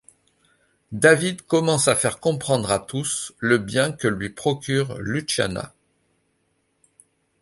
David commence à faire comprendre à tous, le bien que lui procure Luciana.